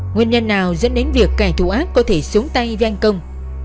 nguyên nhân nào dẫn đến việc kẻ thù ác có thể xuống tay với anh công